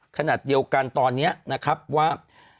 ขณะเดียวกันตอนนี้นะครับว่า